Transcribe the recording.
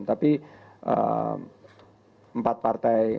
tapi empat partai